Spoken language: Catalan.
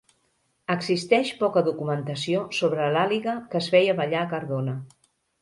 Existeix poca documentació sobre l'àliga que es feia ballar a Cardona.